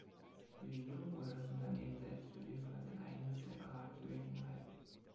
Die Regierung oder das Unternehmen selbst wird ebenfalls ein eigenes, separates Rating erhalten.